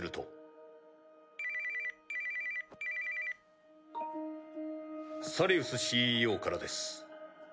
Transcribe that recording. ピコンサリウスＣＥＯからです。